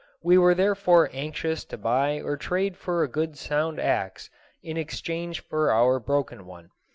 We were therefore anxious to buy or trade for a good sound axe in exchange for our broken one.